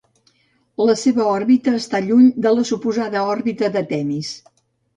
La seva òrbita està lluny de la suposada òrbita de Temis.